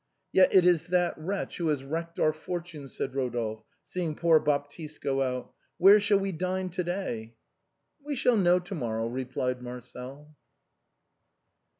"Yet it is that wretch who has wrecked our fortunes," said Rodolphe, seeing poor Baptiste go out. " .Where shall we dine to day?" " We shall know to morrow," replied Marcel.